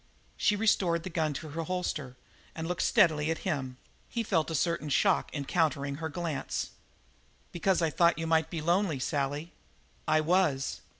She restored the gun to her holster and looked steadily at him; he felt a certain shock in countering her glance. "Because I thought you might be lonely, Sally." "I was."